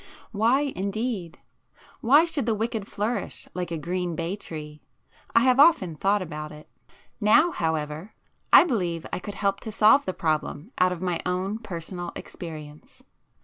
Why indeed! Why should the wicked flourish like a green bay tree? I have often thought about it. Now however I believe I could help to solve the problem out of my own personal experience.